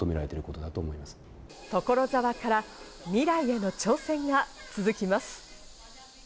所沢から未来への挑戦が続きます。